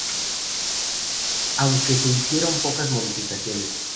Aunque se hicieron pocas modificaciones.